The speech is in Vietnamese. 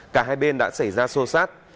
cả hai bên đã xảy ra sô sát